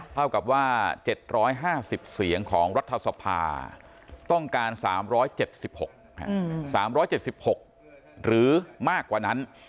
เท่ากับว่า๗๕๐เสียงของรัฐสภาต้องการ๓๗๖๓๗๖หรือมากกว่านั้น